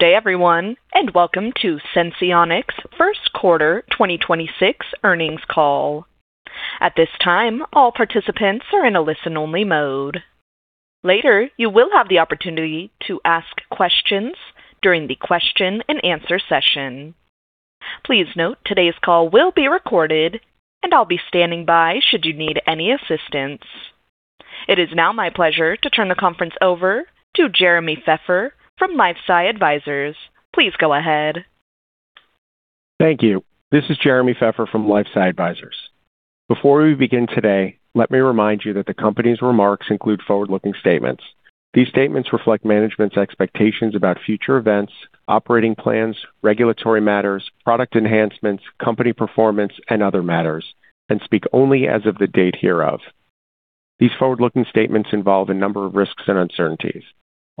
Good day everyone, welcome to Senseonics first quarter 2026 earnings call. At this time, all participants are in a listen-only mode. Later, you will have the opportunity to ask questions during the question-and-answer session. Please note, today's call will be recorded, and I'll be standing by should you need any assistance. It is now my pleasure to turn the conference over to Jeremy Feffer from LifeSci Advisors. Please go ahead. Thank you. This is Jeremy Feffer from LifeSci Advisors. Before we begin today, let me remind you that the company's remarks include forward-looking statements. These statements reflect management's expectations about future events, operating plans, regulatory matters, product enhancements, company performance, and other matters, and speak only as of the date hereof. These forward-looking statements involve a number of risks and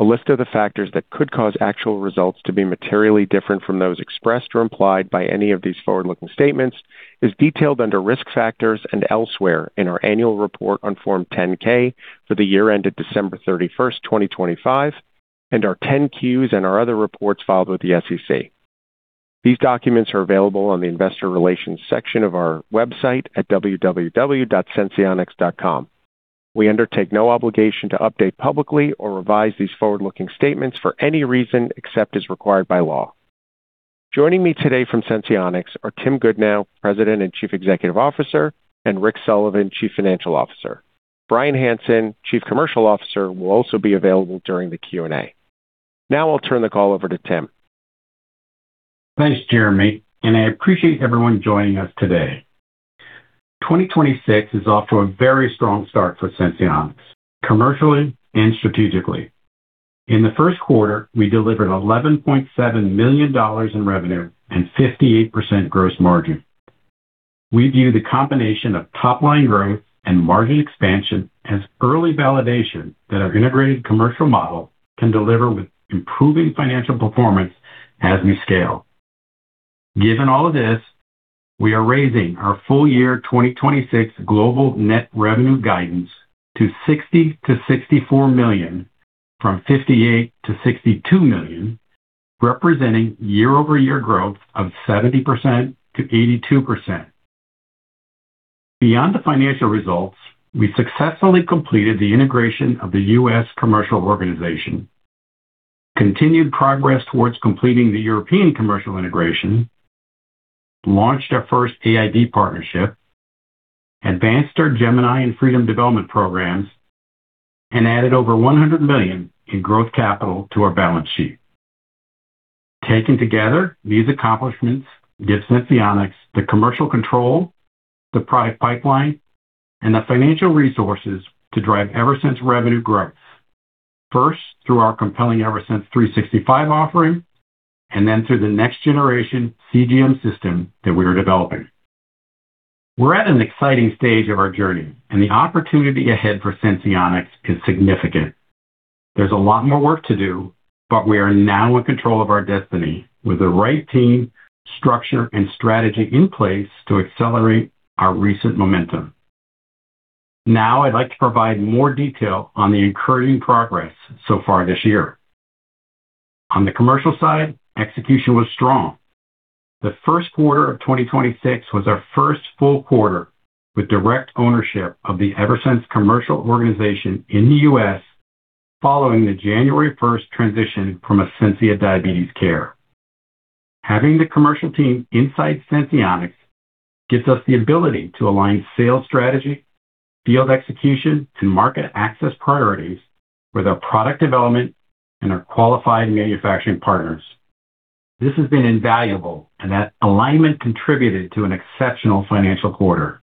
uncertainties. A list of the factors that could cause actual results to be materially different from those expressed or implied by any of these forward-looking statements is detailed under Risk Factors and elsewhere in our annual report on Form 10-K for the year ended December 31st, 2025, and our 10-Qs and our other reports filed with the SEC. These documents are available on the investor relations section of our website at www.senseonics.com. We undertake no obligation to update publicly or revise these forward-looking statements for any reason except as required by law. Joining me today from Senseonics are Tim Goodnow, President and Chief Executive Officer, and Rick Sullivan, Chief Financial Officer. Brian Hansen, Chief Commercial Officer, will also be available during the Q&A. Now I'll turn the call over to Tim. Thanks, Jeremy, and I appreciate everyone joining us today. 2026 is off to a very strong start for Senseonics, commercially and strategically. In the first quarter, we delivered $11.7 million in revenue and 58% gross margin. We view the combination of top-line growth and margin expansion as early validation that our integrated commercial model can deliver with improving financial performance as we scale. Given all of this, we are raising our full year 2026 global net revenue guidance to $60 million-$64 million from $58 million-$62 million, representing year-over-year growth of 70%-82%. Beyond the financial results, we successfully completed the integration of the U.S. commercial organization, continued progress towards completing the European commercial integration, launched our first AID partnership, advanced our Gemini and Freedom development programs, and added over $100 million in growth capital to our balance sheet. Taken together, these accomplishments give Senseonics the commercial control, the product pipeline, and the financial resources to drive Eversense revenue growth. First, through our compelling Eversense 365 offering, and then through the next generation CGM system that we are developing. We're at an exciting stage of our journey, and the opportunity ahead for Senseonics is significant. There's a lot more work to do, but we are now in control of our destiny with the right team, structure, and strategy in place to accelerate our recent momentum. Now, I'd like to provide more detail on the encouraging progress so far this year. On the commercial side, execution was strong. The first quarter of 2026 was our first full quarter with direct ownership of the Eversense commercial organization in the U.S. following the January first transition from Ascensia Diabetes Care. Having the commercial team inside Senseonics gives us the ability to align sales strategy, field execution, to market access priorities with our product development and our qualified manufacturing partners. This has been invaluable, and that alignment contributed to an exceptional financial quarter.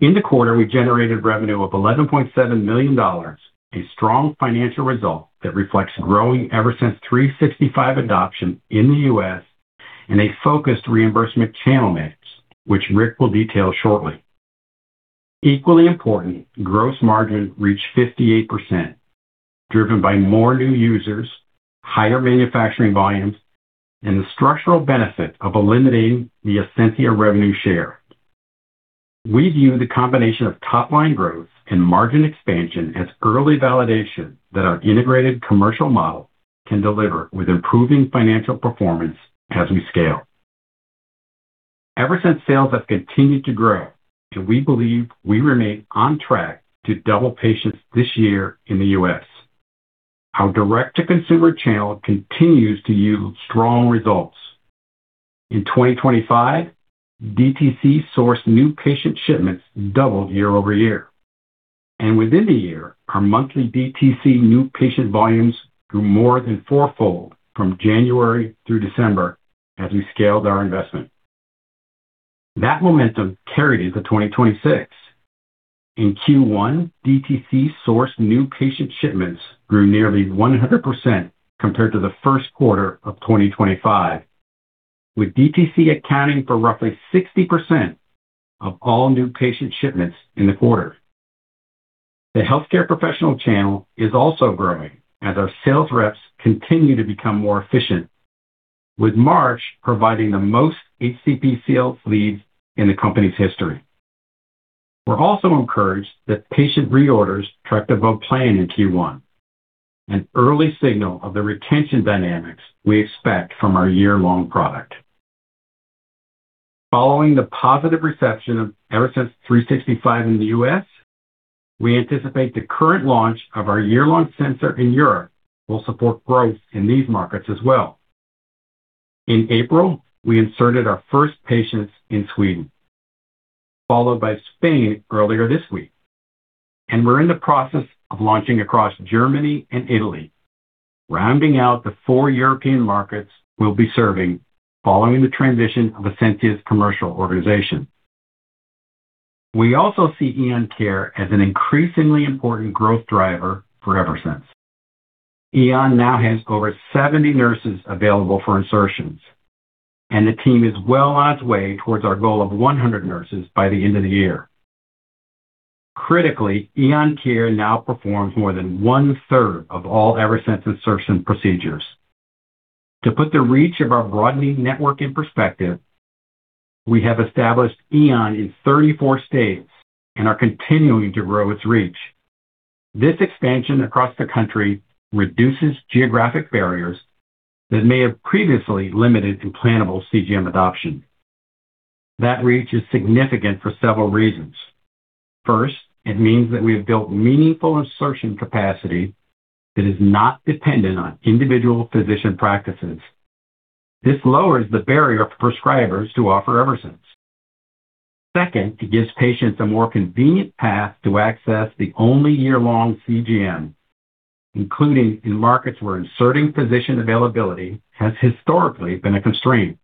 In the quarter, we generated revenue of $11.7 million, a strong financial result that reflects growing Eversense 365 adoption in the U.S. and a focused reimbursement channel mix, which Rick will detail shortly. Equally important, gross margin reached 58%, driven by more new users, higher manufacturing volumes, and the structural benefit of eliminating the Ascensia revenue share. We view the combination of top-line growth and margin expansion as early validation that our integrated commercial model can deliver with improving financial performance as we scale. Eversense sales have continued to grow, and we believe we remain on track to double patients this year in the U.S. Our direct-to-consumer channel continues to yield strong results. In 2025, DTC sourced new patient shipments doubled year-over-year. Within the year, our monthly DTC new patient volumes grew more than four-fold from January through December as we scaled our investment. That momentum carried into 2026. In Q1, DTC sourced new patient shipments grew nearly 100% compared to the first quarter of 2025, with DTC accounting for roughly 60% of all new patient shipments in the quarter. The healthcare professional channel is also growing as our sales reps continue to become more efficient, with March providing the most HCP sales leads in the company's history. We're also encouraged that patient reorders tracked above plan in Q1, an early signal of the retention dynamics we expect from our year-long product. Following the positive reception of Eversense 365 in the U.S., we anticipate the current launch of our year-long sensor in Europe will support growth in these markets as well. In April, we inserted our first patients in Sweden, followed by Spain earlier this week. We're in the process of launching across Germany and Italy, rounding out the four European markets we'll be serving following the transition of Ascensia's commercial organization. We also see Eon Care as an increasingly important growth driver for Eversense. Eon now has over 70 nurses available for insertions, and the team is well on its way towards our goal of 100 nurses by the end of the year. Critically, Eon Care now performs more than 1/3 of all Eversense insertion procedures. To put the reach of our broadening network in perspective, we have established Eon in 34 states and are continuing to grow its reach. This expansion across the country reduces geographic barriers that may have previously limited implantable CGM adoption. That reach is significant for several reasons. First, it means that we have built meaningful insertion capacity that is not dependent on individual physician practices. This lowers the barrier for prescribers to offer Eversense. Second, it gives patients a more convenient path to access the only year-long CGM, including in markets where inserting physician availability has historically been a constraint.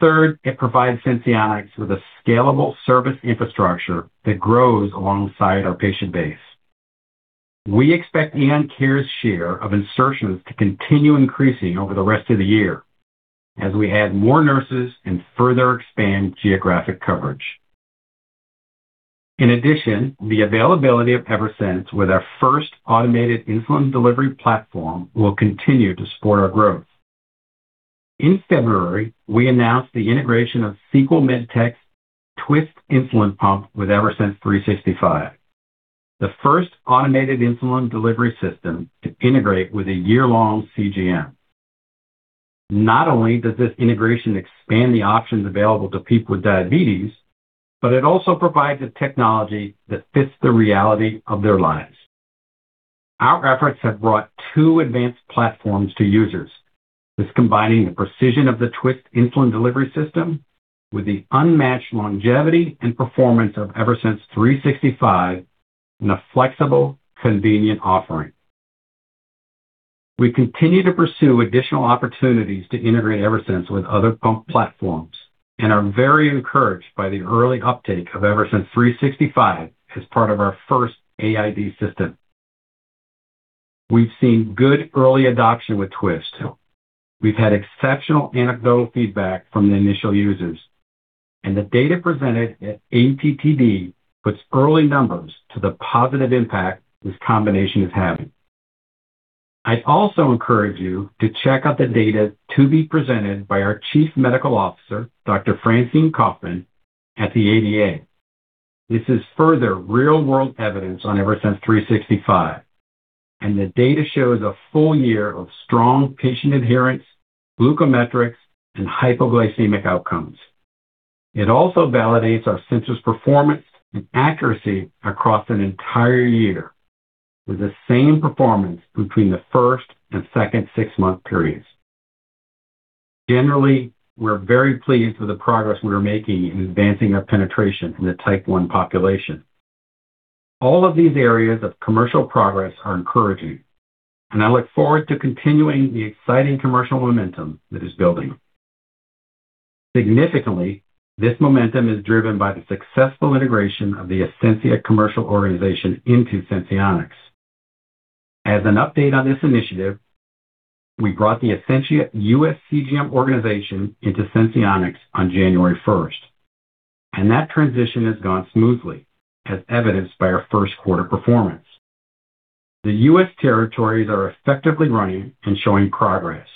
Third, it provides Senseonics with a scalable service infrastructure that grows alongside our patient base. We expect Eon Care's share of insertions to continue increasing over the rest of the year as we add more nurses and further expand geographic coverage. In addition, the availability of Eversense with our first automated insulin delivery platform will continue to support our growth. In February, we announced the integration of Sequel Med Tech's twiist insulin pump with Eversense 365, the first automated insulin delivery system to integrate with a year-long CGM. Not only does this integration expand the options available to people with diabetes, but it also provides a technology that fits the reality of their lives. Our efforts have brought two advanced platforms to users, this combining the precision of the twiist insulin delivery system with the unmatched longevity and performance of Eversense 365 in a flexible, convenient offering. We continue to pursue additional opportunities to integrate Eversense with other pump platforms and are very encouraged by the early uptake of Eversense 365 as part of our first AID system. We've seen good early adoption with twiist. We've had exceptional anecdotal feedback from the initial users, and the data presented at ATTD puts early numbers to the positive impact this combination is having. I'd also encourage you to check out the data to be presented by our Chief Medical Officer, Dr. Francine Kaufman, at the ADA. This is further real-world evidence on Eversense 365, and the data shows a full year of strong patient adherence, glucometrics, and hypoglycemic outcomes. It also validates our sensor's performance and accuracy across an entire year, with the same performance between the first and second six-month periods. Generally, we're very pleased with the progress we are making in advancing our penetration in the type 1 population. All of these areas of commercial progress are encouraging, and I look forward to continuing the exciting commercial momentum that is building. Significantly, this momentum is driven by the successful integration of the Ascensia commercial organization into Senseonics. As an update on this initiative, we brought the Ascensia U.S. CGM organization into Senseonics on January first, and that transition has gone smoothly, as evidenced by our first quarter performance. The U.S. territories are effectively running and showing progress.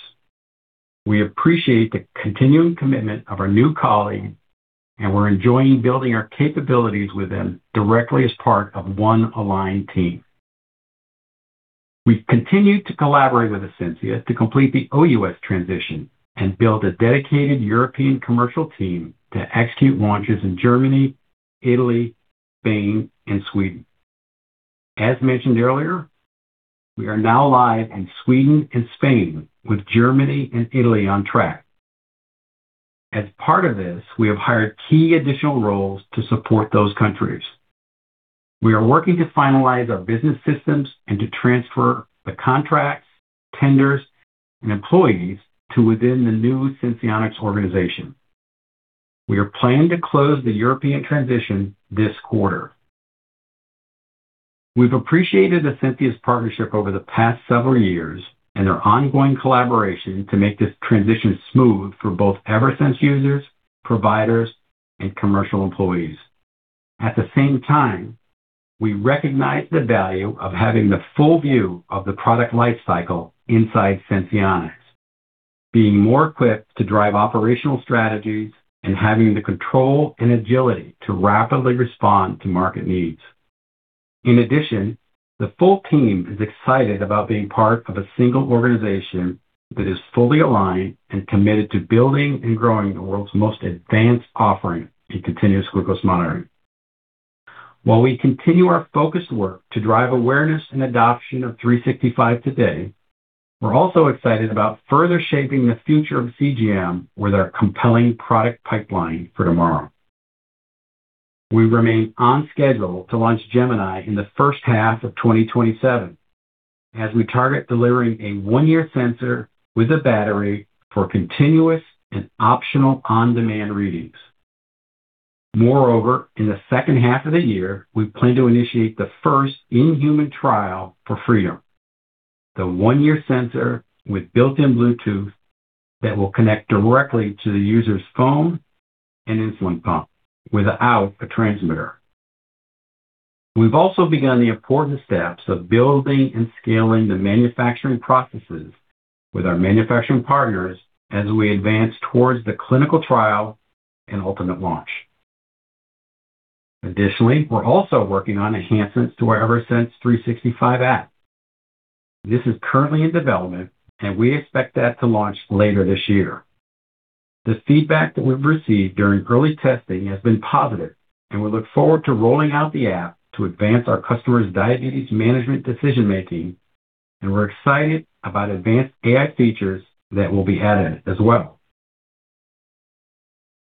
We appreciate the continuing commitment of our new colleagues, and we're enjoying building our capabilities with them directly as part of one aligned team. We've continued to collaborate with Ascensia to complete the OUS transition and build a dedicated European commercial team to execute launches in Germany, Italy, Spain, and Sweden. As mentioned earlier, we are now live in Sweden and Spain, with Germany and Italy on track. As part of this, we have hired key additional roles to support those countries. We are working to finalize our business systems and to transfer the contracts, tenders, and employees to within the new Senseonics organization. We are planning to close the European transition this quarter. We've appreciated Ascensia's partnership over the past several years and their ongoing collaboration to make this transition smooth for both Eversense users, providers, and commercial employees. At the same time, we recognize the value of having the full view of the product life cycle inside Senseonics, being more equipped to drive operational strategies and having the control and agility to rapidly respond to market needs. In addition, the full team is excited about being part of a single organization that is fully aligned and committed to building and growing the world's most advanced offering in continuous glucose monitoring. While we continue our focused work to drive awareness and adoption of Eversense 365 today, we're also excited about further shaping the future of CGM with our compelling product pipeline for tomorrow. We remain on schedule to launch Gemini in the first half of 2027 as we target delivering a one-year sensor with a battery for continuous and optional on-demand readings. Moreover, in the second half of the year, we plan to initiate the first in-human trial for Freedom, the one-year sensor with built-in Bluetooth that will connect directly to the user's phone and insulin pump without a transmitter. We've also begun the important steps of building and scaling the manufacturing processes with our manufacturing partners as we advance towards the clinical trial and ultimate launch. Additionally, we're also working on enhancements to our Eversense 365 app. This is currently in development, and we expect that to launch later this year. The feedback that we've received during early testing has been positive, and we look forward to rolling out the app to advance our customers diabetes management decision-making, and we're excited about advanced AI features that will be added as well.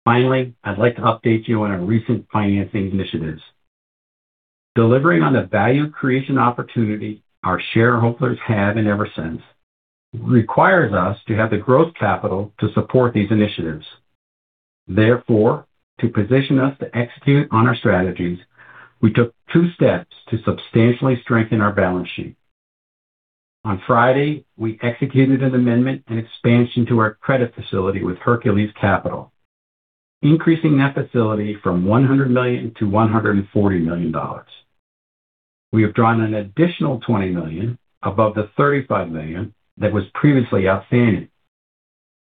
Finally, I'd like to update you on our recent financing initiatives. Delivering on the value creation opportunity our shareholders have in Eversense requires us to have the growth capital to support these initiatives. To position us to execute on our strategies, we took two steps to substantially strengthen our balance sheet. On Friday, we executed an amendment and expansion to our credit facility with Hercules Capital, increasing that facility from $100 million-$140 million. We have drawn an additional $20 million above the $35 million that was previously outstanding,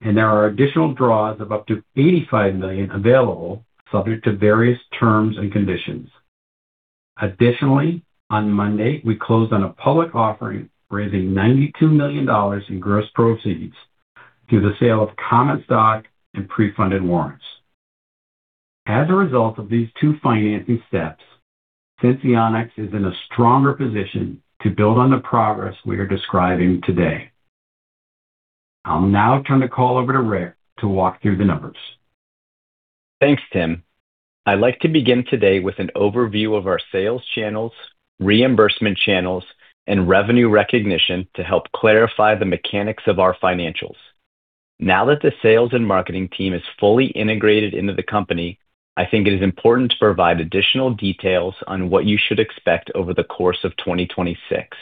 and there are additional draws of up to $85 million available subject to various terms and conditions. Additionally, on Monday, we closed on a public offering, raising $92 million in gross proceeds through the sale of common stock and pre-funded warrants. As a result of these two financing steps, Senseonics is in a stronger position to build on the progress we are describing today. I'll now turn the call over to Rick to walk through the numbers. Thanks, Tim. I'd like to begin today with an overview of our sales channels, reimbursement channels, and revenue recognition to help clarify the mechanics of our financials. Now that the sales and marketing team is fully integrated into the company, I think it is important to provide additional details on what you should expect over the course of 2026.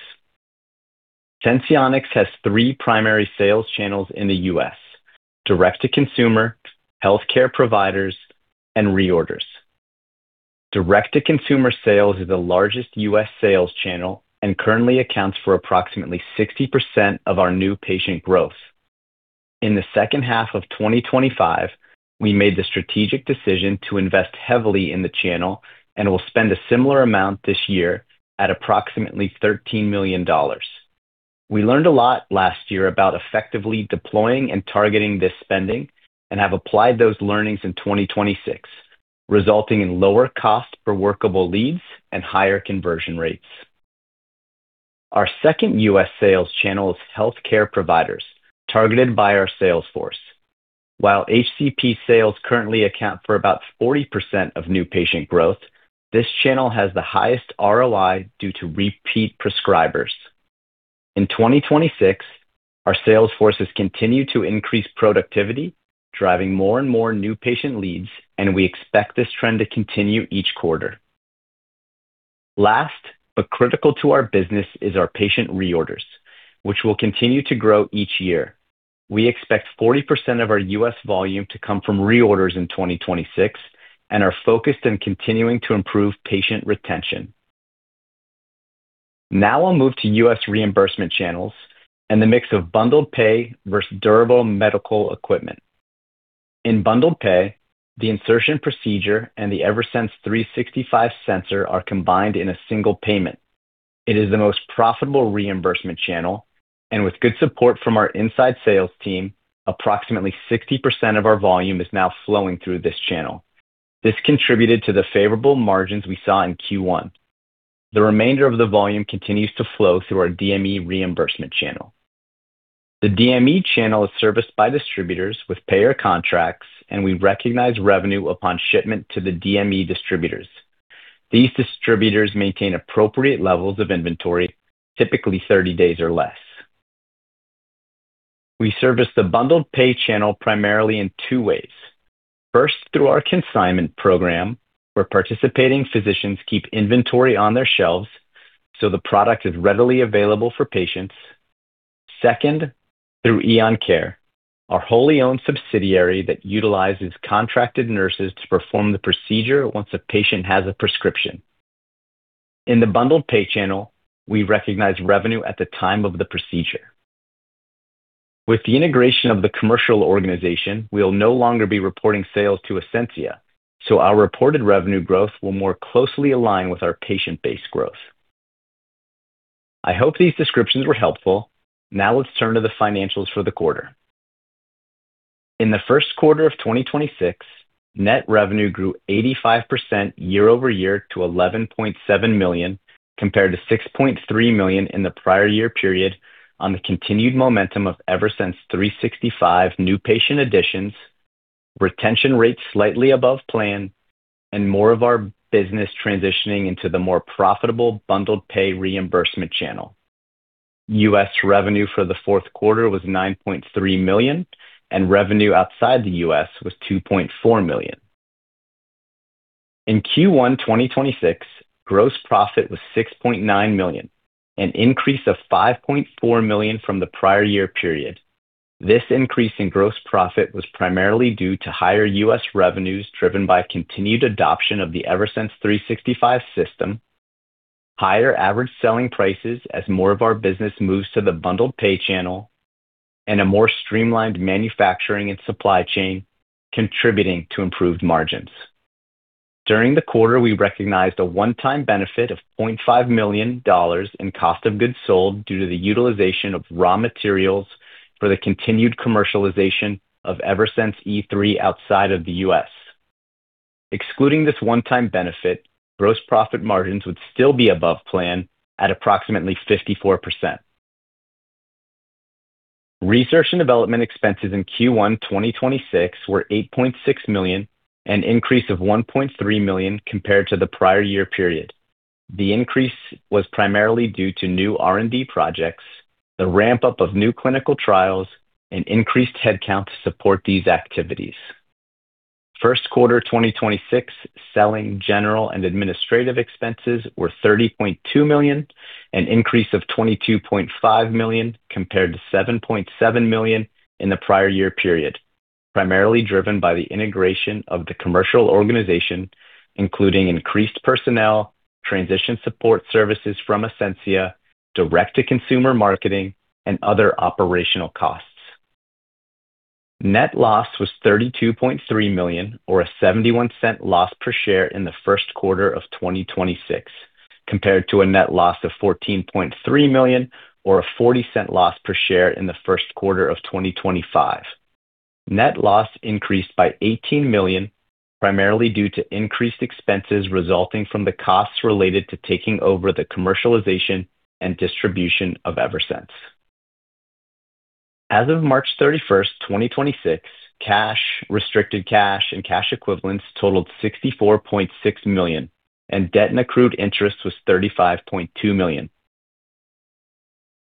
Senseonics has three primary sales channels in the U.S.: direct-to-consumer, healthcare providers, and reorders. Direct-to-consumer sales is the largest U.S. sales channel and currently accounts for approximately 60% of our new patient growth. In the second half of 2025, we made the strategic decision to invest heavily in the channel and will spend a similar amount this year at approximately $13 million. We learned a lot last year about effectively deploying and targeting this spending and have applied those learnings in 2026, resulting in lower cost per workable leads and higher conversion rates. Our second U.S. sales channel is healthcare providers targeted by our sales force. While HCP sales currently account for about 40% of new patient growth, this channel has the highest ROI due to repeat prescribers. In 2026, our sales forces continue to increase productivity, driving more and more new patient leads. We expect this trend to continue each quarter. Last, but critical to our business, is our patient reorders, which will continue to grow each year. We expect 40% of our U.S. volume to come from reorders in 2026 and are focused on continuing to improve patient retention. I'll move to U.S. reimbursement channels and the mix of bundled pay versus durable medical equipment. In bundled pay, the insertion procedure and the Eversense 365 sensor are combined in a single payment. It is the most profitable reimbursement channel, with good support from our inside sales team, approximately 60% of our volume is now flowing through this channel. This contributed to the favorable margins we saw in Q1. The remainder of the volume continues to flow through our DME reimbursement channel. The DME channel is serviced by distributors with payer contracts, we recognize revenue upon shipment to the DME distributors. These distributors maintain appropriate levels of inventory, typically 30-days or less. We service the bundled pay channel primarily in two ways. First, through our consignment program, where participating physicians keep inventory on their shelves, so the product is readily available for patients. Second, through EonCare, our wholly owned subsidiary that utilizes contracted nurses to perform the procedure once a patient has a prescription. In the bundled pay channel, we recognize revenue at the time of the procedure. With the integration of the commercial organization, we'll no longer be reporting sales to Ascensia, our reported revenue growth will more closely align with our patient-based growth. I hope these descriptions were helpful. Let's turn to the financials for the quarter. In the first quarter of 2026, net revenue grew 85% year-over-year to $11.7 million, compared to $6.3 million in the prior year period on the continued momentum of Eversense 365 new patient additions, retention rates slightly above plan, and more of our business transitioning into the more profitable bundled pay reimbursement channel. U.S. revenue for the fourth quarter was $9.3 million, and revenue outside the U.S. was $2.4 million. In Q1 2026, gross profit was $6.9 million, an increase of $5.4 million from the prior year period. This increase in gross profit was primarily due to higher U.S. revenues driven by continued adoption of the Eversense 365 system, higher average selling prices as more of our business moves to the bundled pay channel, and a more streamlined manufacturing and supply chain contributing to improved margins. During the quarter, we recognized a one-time benefit of $0.5 million in cost of goods sold due to the utilization of raw materials for the continued commercialization of Eversense E3 outside of the U.S. Excluding this one-time benefit, gross profit margins would still be above plan at approximately 54%. Research and development expenses in Q1 2026 were $8.6 million, an increase of $1.3 million compared to the prior year period. The increase was primarily due to new R&D projects, the ramp-up of new clinical trials, and increased headcount to support these activities. First quarter 2026 selling, general and administrative expenses were $30.2 million, an increase of $22.5 million compared to $7.7 million in the prior year period, primarily driven by the integration of the commercial organization, including increased personnel, transition support services from Ascensia, direct-to-consumer marketing, and other operational costs. Net loss was $32.3 million, or a $0.71 loss per share in the first quarter of 2026, compared to a net loss of $14.3 million, or a $0.40 loss per share in the first quarter of 2025. Net loss increased by $18 million, primarily due to increased expenses resulting from the costs related to taking over the commercialization and distribution of Eversense. As of March 31st, 2026, cash, restricted cash, and cash equivalents totaled $64.6 million, and debt and accrued interest was $35.2 million.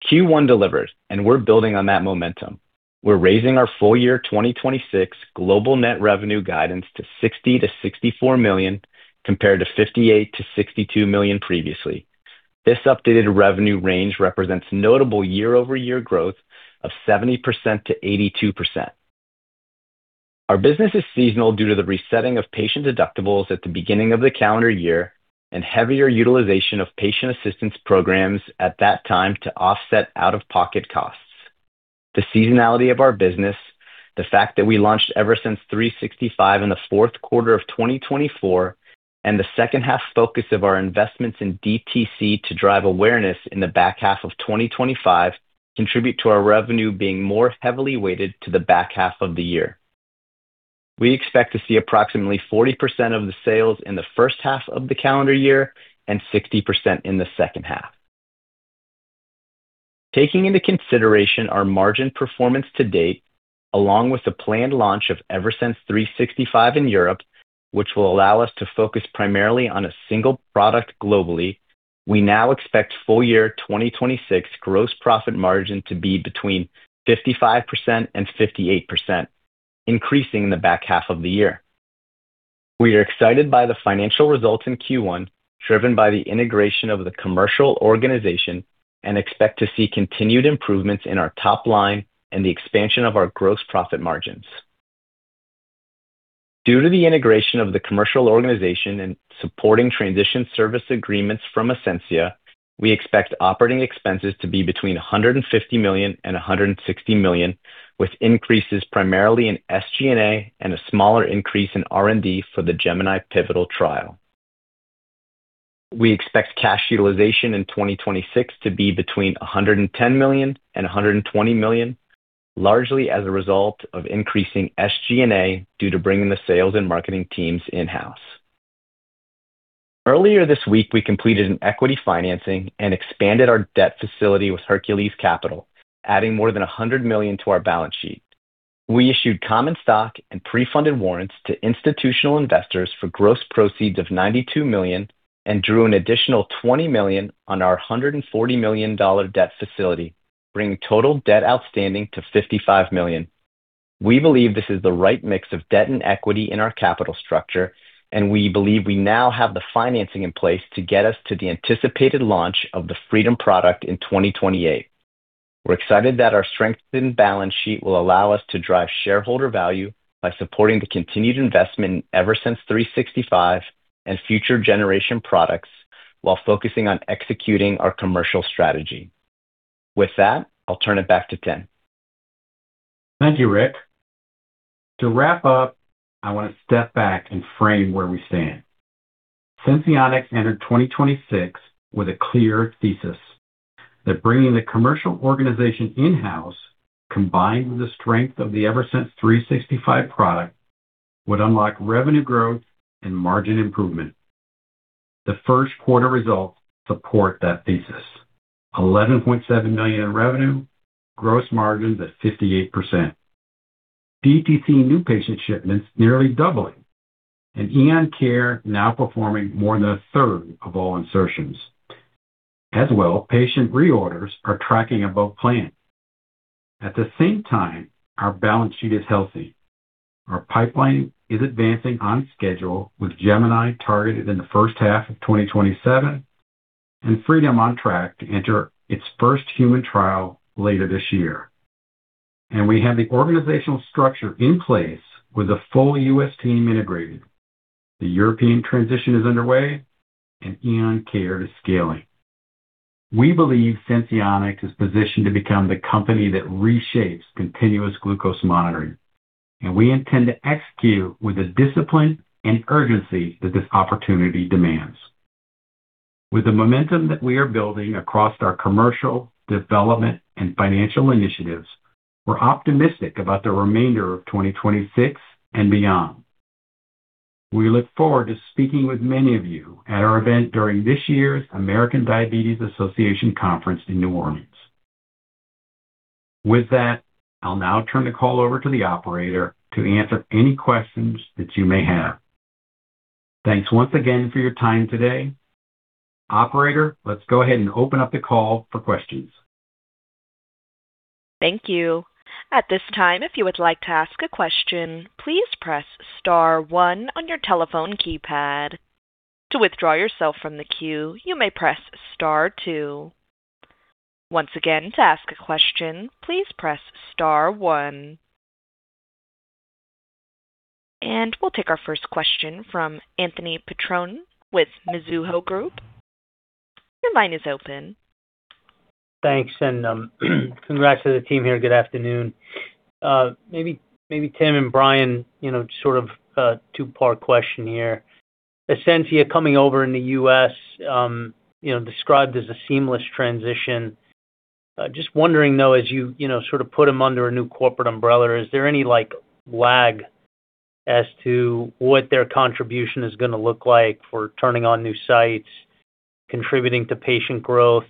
Q1 delivered. We're building on that momentum. We're raising our full year 2026 global net revenue guidance to $60 million-$64 million, compared to $58 million-$62 million previously. This updated revenue range represents notable year-over-year growth of 70%-82%. Our business is seasonal due to the resetting of patient deductibles at the beginning of the calendar year and heavier utilization of patient assistance programs at that time to offset out-of-pocket costs. The seasonality of our business, the fact that we launched Eversense 365 in the fourth quarter of 2024, and the second half focus of our investments in DTC to drive awareness in the back half of 2025 contribute to our revenue being more heavily weighted to the back half of the year. We expect to see approximately 40% of the sales in the first half of the calendar year and 60% in the second half. Taking into consideration our margin performance to date, along with the planned launch of Eversense 365 in Europe, which will allow us to focus primarily on a single product globally, we now expect full year 2026 gross profit margin to be between 55% and 58%, increasing in the back half of the year. We are excited by the financial results in Q1 driven by the integration of the commercial organization and expect to see continued improvements in our top line and the expansion of our gross profit margins. Due to the integration of the commercial organization and supporting transition service agreements from Ascensia, we expect operating expenses to be between $150 million and $160 million, with increases primarily in SG&A and a smaller increase in R&D for the Gemini pivotal trial. We expect cash utilization in 2026 to be between $110 million and $120 million, largely as a result of increasing SG&A due to bringing the sales and marketing teams in-house. Earlier this week, we completed an equity financing and expanded our debt facility with Hercules Capital, adding more than $100 million to our balance sheet. We issued common stock and pre-funded warrants to institutional investors for gross proceeds of $92 million and drew an additional $20 million on our $140 million debt facility, bringing total debt outstanding to $55 million. We believe this is the right mix of debt and equity in our capital structure, and we believe we now have the financing in place to get us to the anticipated launch of the Freedom product in 2028. We're excited that our strengthened balance sheet will allow us to drive shareholder value by supporting the continued investment in Eversense 365 and future generation products while focusing on executing our commercial strategy. With that, I'll turn it back to Tim. Thank you, Rick. To wrap up, I want to step back and frame where we stand. Senseonics entered 2026 with a clear thesis that bringing the commercial organization in-house, combined with the strength of the Eversense 365 product, would unlock revenue growth and margin improvement. The first quarter results support that thesis. $11.7 million in revenue, gross margins at 58%. DTC new patient shipments nearly doubling, and EonCare now performing more than 1/3 of all insertions. Patient reorders are tracking above plan. At the same time, our balance sheet is healthy. Our pipeline is advancing on schedule with Gemini targeted in the first half of 2027 and Freedom on track to enter its first human trial later this year. We have the organizational structure in place with a full U.S. team integrated. The European transition is underway. EonCare is scaling. We believe Senseonics is positioned to become the company that reshapes continuous glucose monitoring. We intend to execute with the discipline and urgency that this opportunity demands. With the momentum that we are building across our commercial, development, and financial initiatives, we're optimistic about the remainder of 2026 and beyond. We look forward to speaking with many of you at our event during this year's American Diabetes Association conference in New Orleans. With that, I'll now turn the call over to the operator to answer any questions that you may have. Thanks once again for your time today. Operator, let's go ahead and open up the call for questions. Thank you. At this time, if you would like to ask a question, please press star one on your telephone keypad. To withdraw yourself from the queue, you may press star two. Once again, to ask a question, please press star one. We'll take our first question from Anthony Petrone with Mizuho Group. Your line is open. Thanks, congrats to the team here. Good afternoon. Maybe Tim and Brian, you know, sort of a two-part question here. Ascensia coming over in the U.S., you know, described as a seamless transition. Just wondering, though, as you know, sort of put them under a new corporate umbrella, is there any, like, lag as to what their contribution is gonna look like for turning on new sites, contributing to patient growth?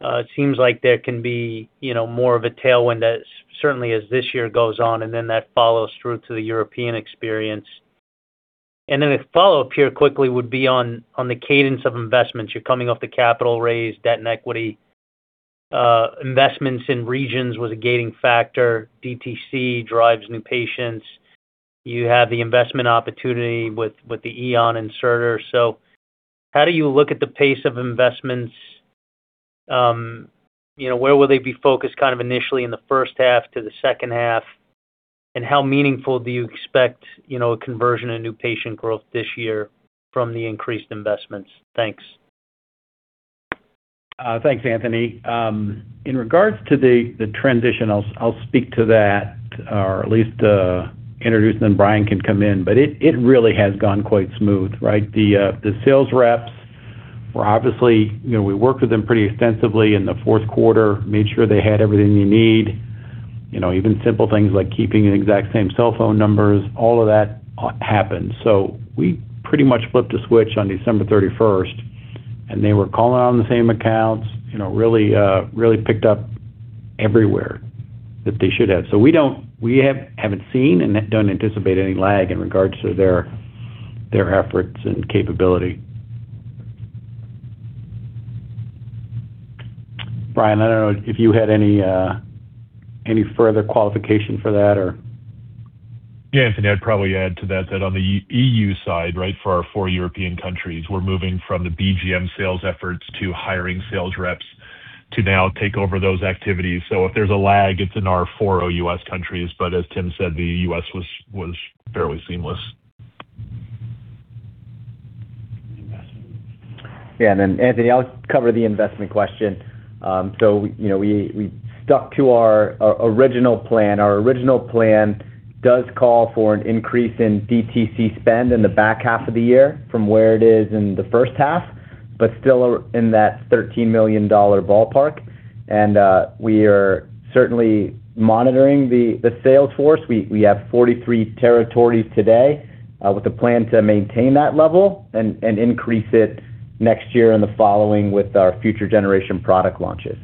It seems like there can be, you know, more of a tailwind that certainly as this year goes on, and then that follows through to the European experience. A follow-up here quickly would be on the cadence of investments. You're coming off the capital raise, debt and equity, investments in regions was a gating factor. DTC drives new patients. You have the investment opportunity with the EonCare inserter. How do you look at the pace of investments? You know, where will they be focused kind of initially in the first half to the second half? How meaningful do you expect, you know, a conversion in new patient growth this year from the increased investments? Thanks. Thanks, Anthony. In regards to the transition, I'll speak to that or at least introduce, then Brian can come in. It really has gone quite smooth, right? The sales reps were obviously, you know, we worked with them pretty extensively in the fourth quarter, made sure they had everything you need. You know, even simple things like keeping the exact same cell phone numbers, all of that happened. We pretty much flipped a switch on December 31st, they were calling on the same accounts, you know, really picked up everywhere that they should have. We haven't seen and don't anticipate any lag in regards to their efforts and capability. Brian, I don't know if you had any further qualification for that? Yeah, Anthony, I'd probably add to that on the EU side, right, for our four European countries, we're moving from the BGM sales efforts to hiring sales reps to now take over those activities. If there's a lag, it's in our four EU countries, but as Tim said, the U.S. was fairly seamless. Yeah, then Anthony, I'll cover the investment question. You know, we stuck to our original plan. Our original plan does call for an increase in DTC spend in the back half of the year from where it is in the first half, but still in that $13 million ballpark. We are certainly monitoring the sales force. We have 43 territories today with a plan to maintain that level and increase it next year and the following with our future generation product launches.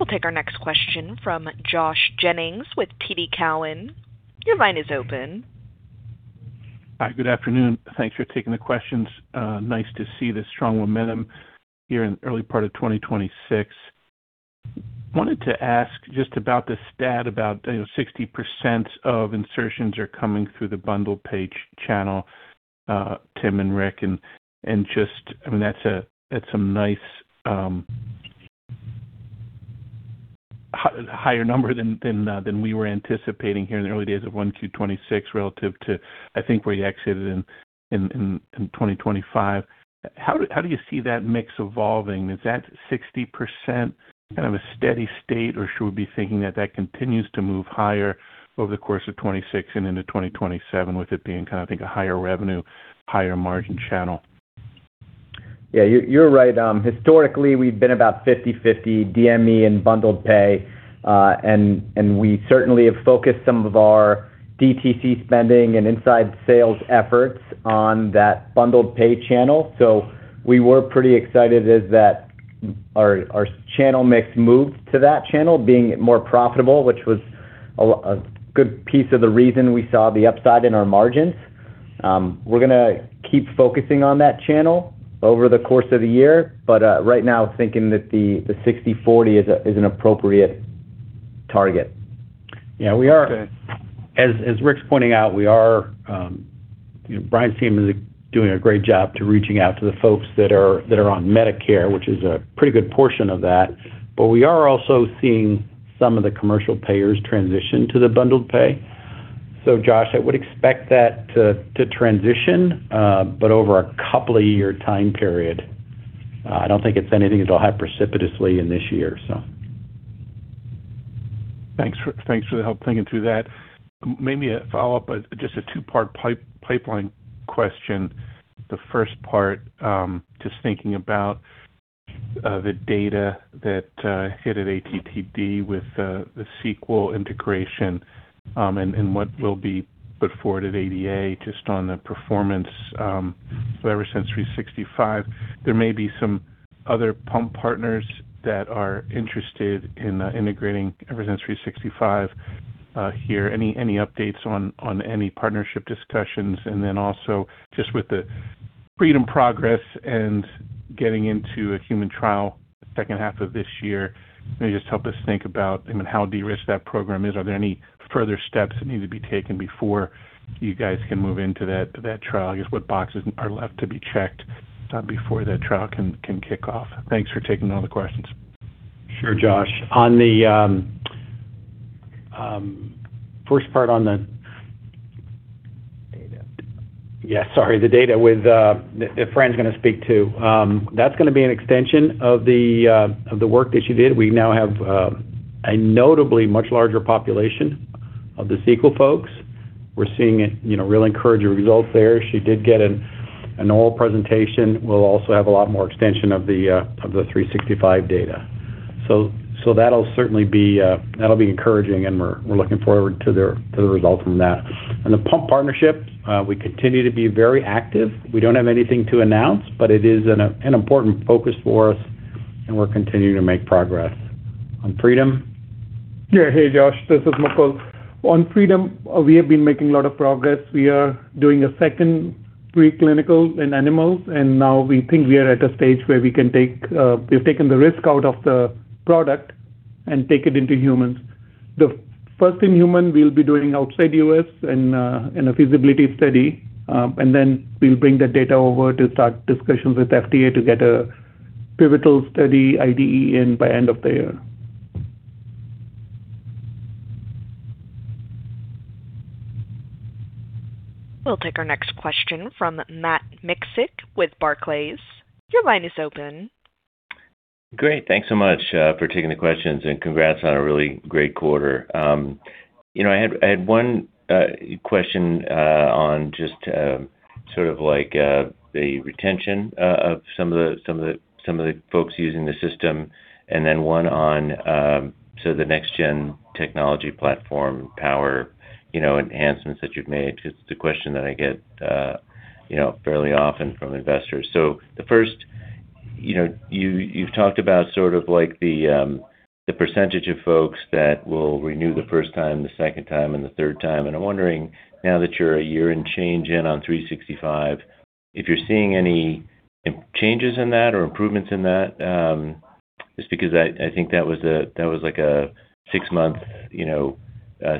We'll take our next question from Josh Jennings with TD Cowen. Your line is open. Hi, good afternoon. Thanks for taking the questions. Nice to see the strong momentum here in early part of 2026. Wanted to ask just about the stat about, you know, 60% of insertions are coming through the bundled pay channel, Tim and Rick. I mean, that's a, that's some nice, higher number than we were anticipating here in the early days of 1Q 2026 relative to, I think, where you exited in 2025. How do you see that mix evolving? Is that 60% kind of a steady state, or should we be thinking that that continues to move higher over the course of 2026 and into 2027, with it being kind of, I think, a higher revenue, higher margin channel? Yeah, you're right. Historically, we've been about 50/50 DME and bundled pay. We certainly have focused some of our DTC spending and inside sales efforts on that bundled pay channel. We were pretty excited as that our channel mix moved to that channel being more profitable, which was a good piece of the reason we saw the upside in our margins. We're gonna keep focusing on that channel over the course of the year, but right now thinking that the 60/40 is an appropriate target. Yeah, we are- Okay. As Rick's pointing out, we are, you know, Brian's team is doing a great job to reaching out to the folks that are on Medicare, which is a pretty good portion of that. We are also seeing some of the commercial payers transition to the bundled pay. Josh, I would expect that to transition, but over a couple of year time period. I don't think it's anything that'll happen precipitously in this year. Thanks for the help thinking through that. Maybe a follow-up, just a two part pipeline question. The first part, just thinking about the data that hit at ATTD with the Sequel integration, and what will be put forward at ADA just on the performance for Eversense 365. There may be some other pump partners that are interested in integrating Eversense 365. Hear any updates on any partnership discussions? Also, just with the Freedom progress and getting into a human trial second half of this year, can you just help us think about how de-risked that program is? Are there any further steps that need to be taken before you guys can move into that trial? Just what boxes are left to be checked before that trial can kick off? Thanks for taking all the questions. Sure, Josh. On the first part on the. Data. Yeah, sorry, the data with that Fran's gonna speak to. That's gonna be an extension of the work that she did. We now have a notably much larger population of the Sequel folks. We're seeing, you know, really encouraging results there. She did get an oral presentation. We'll also have a lot more extension of the Eversense 365 data. That'll certainly be encouraging, and we're looking forward to the results from that. On the pump partnership, we continue to be very active. We don't have anything to announce, but it is an important focus for us, and we're continuing to make progress. On Freedom? Yeah. Hey, Josh. This is Mukul. On Freedom, we have been making a lot of progress. We are doing a second preclinical in animals. Now we think we are at a stage where we've taken the risk out of the product and take it into humans. The first in human, we'll be doing outside U.S. in a feasibility study. Then we'll bring the data over to start discussions with FDA to get a pivotal study IDE in by end of the year. We'll take our next question from Matt Miksic with Barclays. Your line is open. Great. Thanks so much for taking the questions, congrats on a really great quarter. You know, I had one question on just sort of like the retention of some of the folks using the system, and then one on the next gen technology platform power, you know, enhancements that you've made. It's a question that I get, you know, fairly often from investors. The first, you know, you've talked about sort of like the percentage of folks that will renew the first time, the second time, and the third time. I'm wondering now that you're a year and change in on Eversense 365, if you're seeing any changes in that or improvements in that? Just because I think that was like a six-month, you know,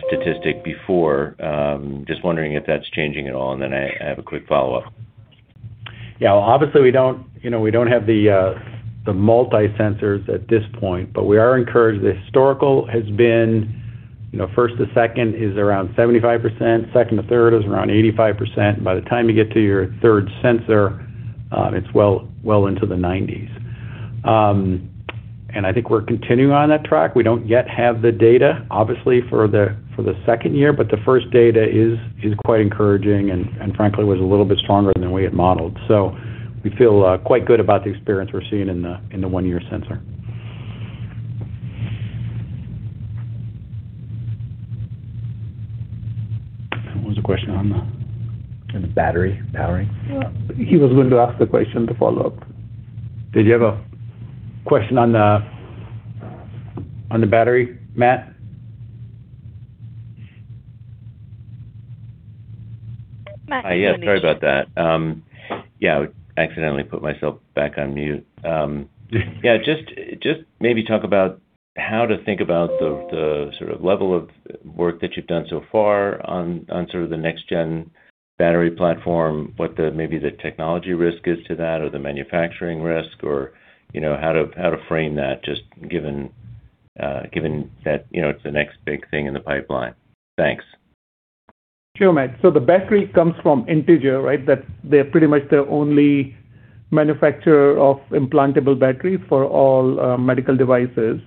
statistic before. Just wondering if that's changing at all, and then I have a quick follow-up. Yeah. Well, obviously we don't, you know, we don't have the multi-sensors at this point, but we are encouraged. The historical has been, you know, first to second is around 75%, second to third is around 85%. By the time you get to your third sensor, it's well into the 90s. I think we're continuing on that track. We don't yet have the data, obviously, for the second year, but the first data is quite encouraging and frankly was a little bit stronger than we had modeled. We feel quite good about the experience we're seeing in the one-year sensor. What was the question on the battery powering? Yeah. He was going to ask the question to follow up. Did you have a question on the battery, Matt? Hi. Yeah, sorry about that. Yeah, I accidentally put myself back on mute. Yeah, just maybe talk about how to think about the sort of level of work that you've done so far on sort of the next-gen battery platform, what the maybe the technology risk is to that or the manufacturing risk or, you know, how to frame that just given that, you know, it's the next big thing in the pipeline. Thanks. Sure, Matt. The battery comes from Integer, right? That they're pretty much the only manufacturer of implantable battery for all medical devices.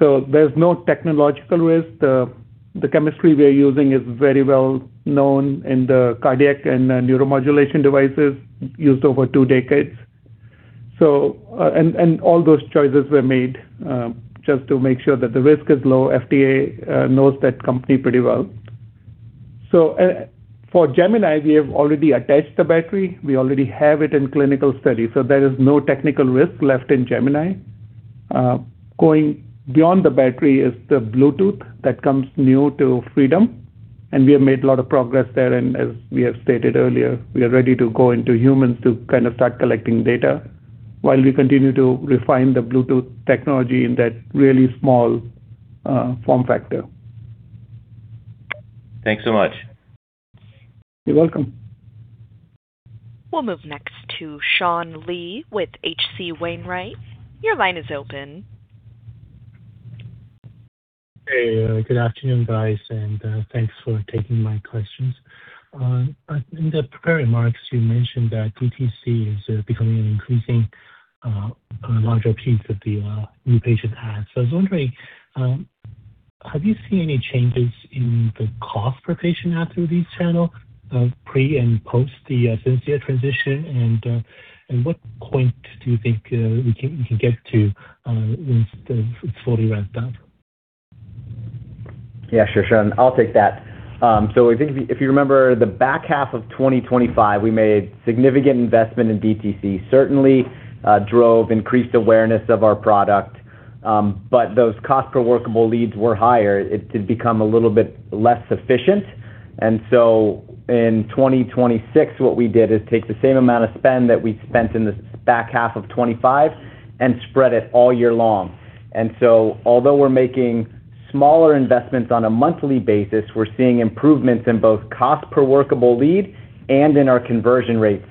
There's no technological risk. The chemistry we are using is very well known in the cardiac and neuromodulation devices used over two-decades. And all those choices were made just to make sure that the risk is low. FDA knows that company pretty well. For Gemini, we have already attached the battery. We already have it in clinical study, so there is no technical risk left in Gemini. Going beyond the battery is the Bluetooth that comes new to Freedom, and we have made a lot of progress there. As we have stated earlier, we are ready to go into humans to kind of start collecting data while we continue to refine the Bluetooth technology in that really small form factor. Thanks so much. You're welcome. We'll move next to Sean Lee with H.C. Wainwright. Your line is open. Hey, good afternoon, guys, thanks for taking my questions. In the prepared remarks, you mentioned that DTC is becoming an increasing larger piece of the new patient ads. I was wondering, have you seen any changes in the cost per patient ad through this channel of pre and post the Ascensia transition? What point do you think we can get to once it's fully ramped up? Yeah, sure, Sean. I'll take that. I think if you remember the back half of 2025, we made significant investment in DTC. Certainly, drove increased awareness of our product. Those cost per workable leads were higher. It did become a little bit less efficient. In 2026, what we did is take the same amount of spend that we spent in the back half of 2025 and spread it all year long. Although we're making smaller investments on a monthly basis, we're seeing improvements in both cost per workable lead and in our conversion rates.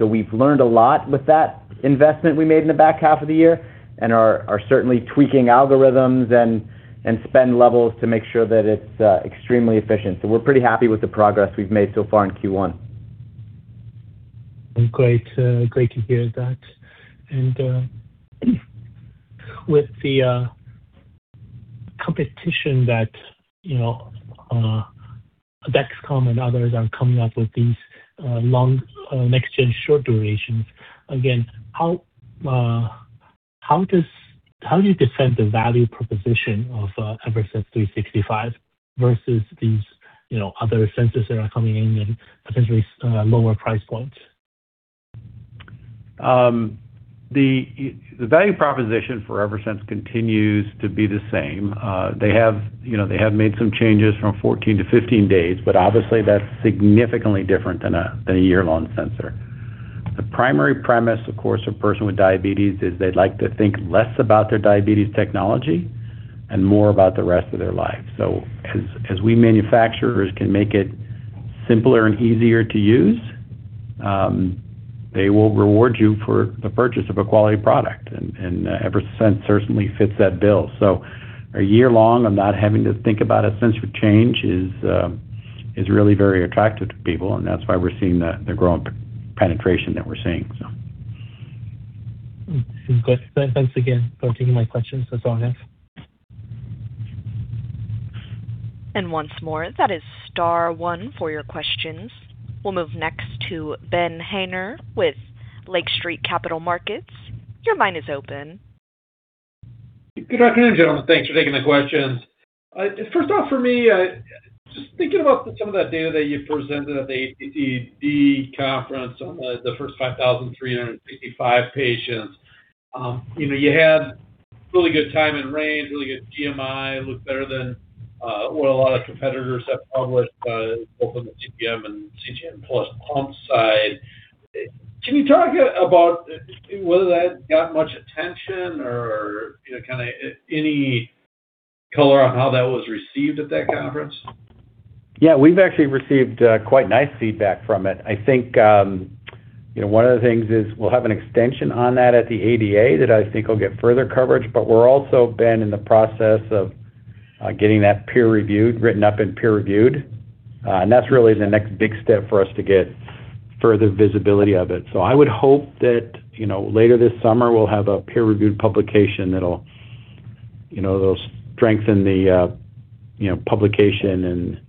We've learned a lot with that investment we made in the back half of the year and are certainly tweaking algorithms and spend levels to make sure that it's extremely efficient. We're pretty happy with the progress we've made so far in Q1. Great. Great to hear that. With the competition that, you know, Dexcom and others are coming up with these long next gen short durations, again, how do you defend the value proposition of Eversense 365 versus these, you know, other sensors that are coming in and potentially lower price points? The value proposition for Eversense continues to be the same. They have, you know, they have made some changes from 14 to 15-days, obviously that's significantly different than a year-long sensor. The primary premise, of course, for a person with diabetes is they'd like to think less about their diabetes technology and more about the rest of their life. As, as we manufacturers can make it simpler and easier to use, they will reward you for the purchase of a quality product. Eversense certainly fits that bill. A year long of not having to think about a sensor change is really very attractive to people, and that's why we're seeing the growing penetration that we're seeing. Good. Thanks again for taking my questions. That's all I have. Once more, that is star one for your questions. We'll move next to Ben Haynor with Lake Street Capital Markets. Your line is open. Good afternoon, gentlemen. Thanks for taking the questions. First off for me, just thinking about some of that data that you presented at the ATTD conference on the first 5,355 patients. You know, you had really good time in range, really good GMI. It looked better than what a lot of competitors have published, both on the CGM and CGM plus pump side. Can you talk about whether that got much attention or, you know, any color on how that was received at that conference? Yeah. We've actually received quite nice feedback from it. I think, you know, one of the things is we'll have an extension on that at the ADA that I think will get further coverage. We're also, Ben, in the process of getting that peer-reviewed, written up and peer-reviewed. That's really the next big step for us to get further visibility of it. I would hope that, you know, later this summer, we'll have a peer-reviewed publication that'll, you know, that'll strengthen the publication and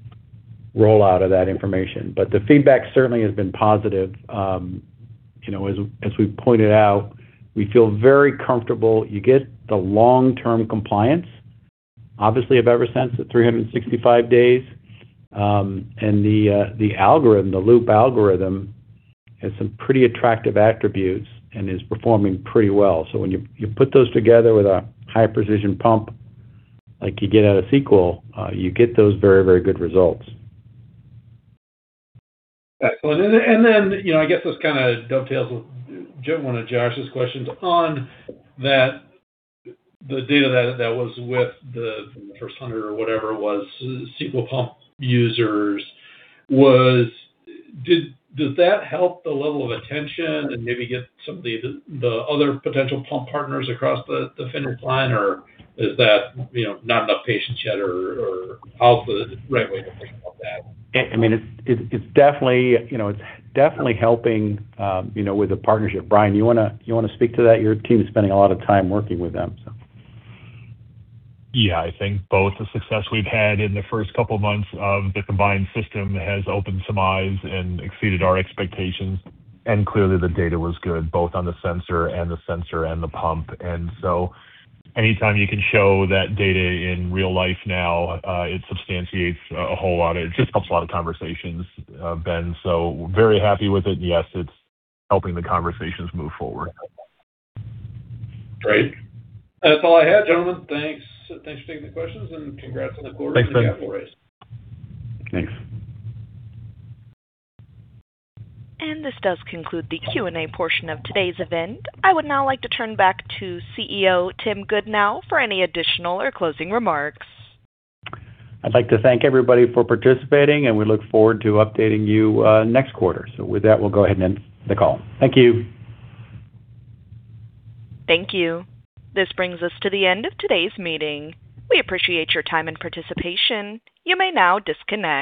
rollout of that information. The feedback certainly has been positive. You know, as we've pointed out, we feel very comfortable. You get the long-term compliance, obviously, of Eversense at 365-days. The algorithm, the loop algorithm, has some pretty attractive attributes and is performing pretty well. When you put those together with a high-precision pump like you get out of Sequel, you get those very good results. You know, I guess this kind of dovetails with one of Josh's questions. On that, the data that was with the first 100 or whatever it was Sequel pump users was. Does that help the level of attention and maybe get some of the other potential pump partners across the finish line, or is that, you know, not enough patients yet? How's the right way to think about that? I mean, it's definitely, you know, it's definitely helping, you know, with the partnership. Brian, you wanna speak to that? Your team is spending a lot of time working with them, so. Yeah. I think both the success we've had in the first couple months of the combined system has opened some eyes and exceeded our expectations. Clearly the data was good, both on the sensor and the pump. Anytime you can show that data in real life now, it substantiates a whole lot. It just helps a lot of conversations, Ben. Very happy with it. Yes, it's helping the conversations move forward. Great. That's all I had, gentlemen. Thanks. Thanks for taking the questions and congrats on the quarter. Thanks, Ben. Thanks. This does conclude the Q&A portion of today's event. I would now like to turn back to CEO Tim Goodnow for any additional or closing remarks. I'd like to thank everybody for participating, and we look forward to updating you next quarter. With that, we'll go ahead and end the call. Thank you. Thank you. This brings us to the end of today's meeting. We appreciate your time and participation. You may now disconnect.